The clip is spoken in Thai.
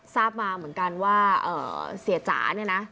ทราบมาเหมือนกันว่าเสียจ๋าเนี่ยนะ